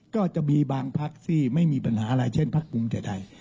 ก็จะมีบางพักที่ไม่มีปัญหาอะไรเช่นพักภูมิใจไทย